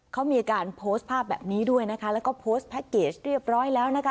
เขามีการโพสต์ภาพแบบนี้ด้วยนะคะแล้วก็โพสต์แพ็คเกจเรียบร้อยแล้วนะคะ